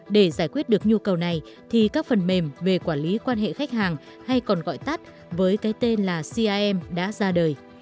để giải quyết được nhu cầu này thì các phần mềm về quản lý quan hệ khách hàng hay còn gọi tắt với cái tên là cim đã ra đời